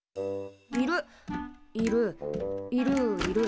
いるいるいるいる。